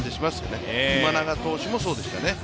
今永選手もそうでしたよね。